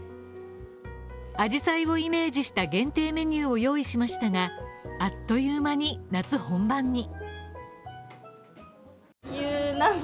あじさいをイメージした限定メニューを用意しましたが、あっという間に夏本番に。